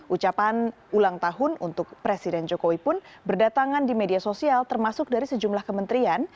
ucapan ulang tahun untuk presiden jokowi pun berdatangan di media sosial termasuk dari sejumlah kementerian